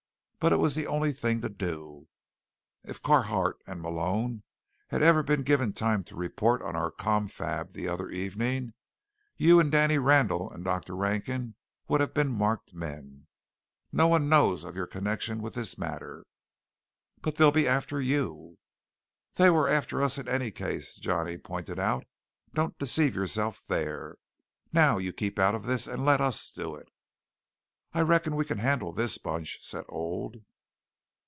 "But it was the only thing to do. If Carhart and Malone had ever been given time to report on our confab the other evening, you and Danny Randall and Dr. Rankin would have been marked men. Now no one knows of your connection with this matter." "But they'll be after you " "They were after us in any case," Johnny pointed out. "Don't deceive yourself there. Now you keep out of this and let us do it." "I reckon we can handle this bunch," said Old.